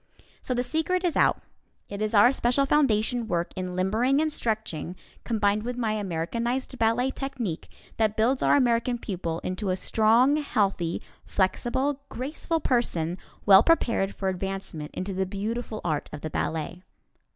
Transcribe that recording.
So the secret is out; it is our special foundation work in limbering and stretching combined with my Americanized Ballet Technique that builds our American pupil into a strong, healthy, flexible, graceful person, well prepared for advancement into the beautiful art of the ballet.